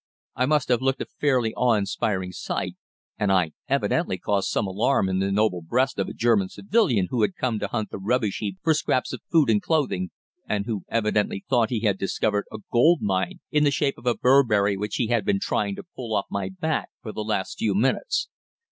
I must have looked a fairly awe inspiring sight, and I evidently caused some alarm in the noble breast of a German civilian who had come to hunt the rubbish heap for scraps of food and clothing, and who evidently thought he had discovered a gold mine in the shape of a Burberry which he had been trying to pull off my back for the last few minutes.